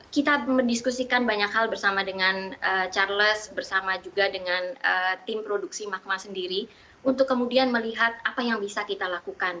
kita mendiskusikan banyak hal bersama dengan charles bersama juga dengan tim produksi magma sendiri untuk kemudian melihat apa yang bisa kita lakukan